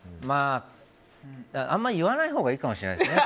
あんまり言わないほうがいいかもしれないですね。